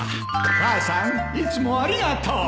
母さんいつもありがとう！